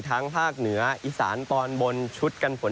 ทั้งภาคเหนืออิสานตอนบนชุดกันผล